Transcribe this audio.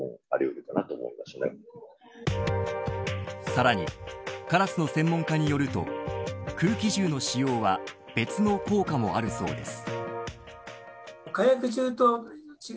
さらにカラスの専門家によると空気銃の使用は別の効果もあるそうです。